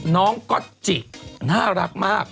น้องก็อตจิน่ารักมาก